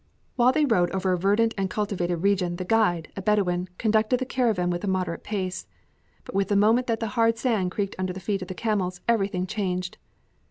While they rode over a verdant and cultivated region, the guide, a Bedouin, conducted the caravan with a moderate pace. But with the moment that the hard sand creaked under the feet of the camels, everything changed.